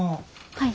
はい。